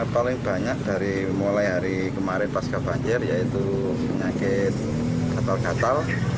paling banyak dari mulai hari kemarin pasca banjir yaitu penyakit gatal gatal